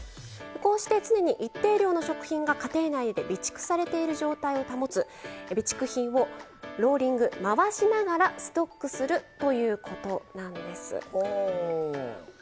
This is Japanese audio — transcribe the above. こうして常に一定量の食品が家庭内で備蓄されている状態を保つ備蓄品をローリング回しながらストックするということなんです。